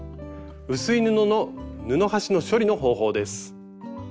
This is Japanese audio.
薄い布の布端の処理の方法です。